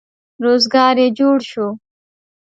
روزګار یې جوړ شو.